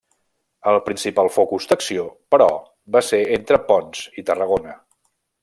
El principal focus d'acció, però, va ser entre Ponts i Tarragona.